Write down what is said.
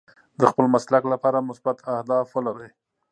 د خپل مسلک لپاره مثبت اهداف ولرئ.